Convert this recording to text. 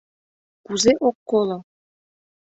— Кузе ок коло?